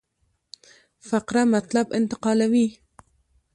فقره مطلب انتقالوي.